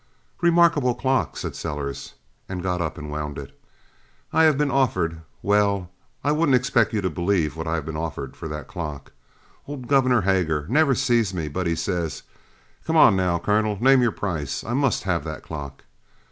"Remarkable clock!" said Sellers, and got up and wound it. "I've been offered well, I wouldn't expect you to believe what I've been offered for that clock. Old Gov. Hager never sees me but he says, 'Come, now, Colonel, name your price I must have that clock!'